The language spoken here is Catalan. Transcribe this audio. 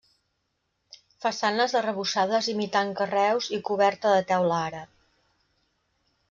Façanes arrebossades imitant carreus i coberta de teula àrab.